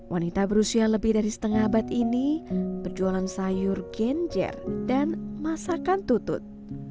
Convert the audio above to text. wanita berusia lebih dari setengah abad ini berjualan sayur genjer dan masakan tutut